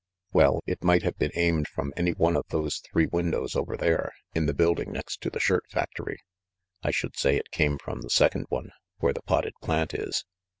"Well, it might have been aimed from any one of those three windows over there, in the building next to the shirt factory. I should say it came from the sec ond one, where the potted plant is."